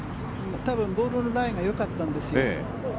多分、ボールのライがよかったんですよ。